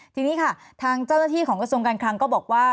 ทีนี้ค่ะทางเจ้าหน้าที่ของกระทรวงการคลังก็บอกว่า